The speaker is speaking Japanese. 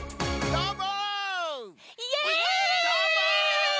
どーも！